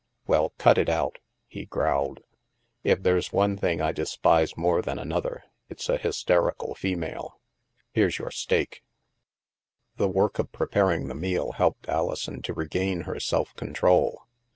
" Well, cut it out," he growled. If there's one thing I despise more than another, it*s a hysterical female. Here's your steak." The work of preparing the meal helped Alison to regain her self control.